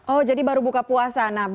oh jadi baru buka puasa